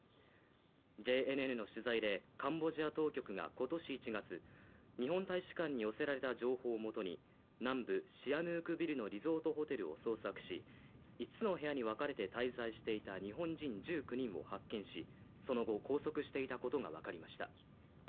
ＪＮＮの取材でカンボジア当局が今年１月日本大使館に寄せられた情報をもとに南部シアヌークビルのリゾートホテルを捜索し、五つの部屋にわかれて滞在していた日本人１９人を発見し、その後拘束していたことがわかりました。